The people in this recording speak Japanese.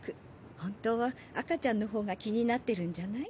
本当は赤ちゃんのほうが気になってるんじゃない？